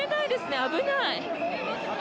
危ない。